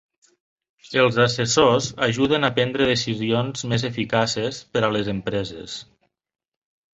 Els assessors ajuden a prendre decisions més eficaces per a les empreses.